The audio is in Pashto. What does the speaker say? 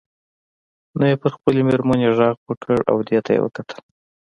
نو یې پر خپلې میرمنې غږ وکړ او دې ته یې وکتل.